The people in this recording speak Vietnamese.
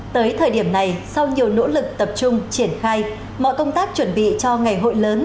tới thời điểm này sau nhiều nỗ lực tập trung triển khai mọi công tác chuẩn bị cho ngày hội lớn